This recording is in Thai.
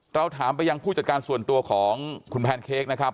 เราถามไปยังผู้จัดการส่วนตัวของคุณแพนเค้กนะครับ